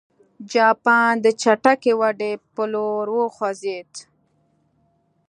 جاپان د چټکې ودې په لور وخوځېد.